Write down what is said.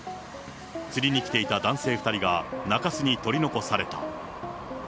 釣りに来ていた男性２人が中洲に取り残された。